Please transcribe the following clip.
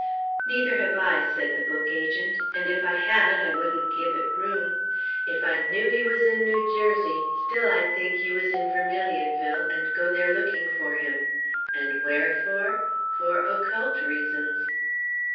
"Neither have I," said the book agent; "and if I had, I wouldn't give it room. If I knew he was in New Jersey, still I'd think he was in Vermilionville, and go there looking for him. And wherefore? For occult reasons."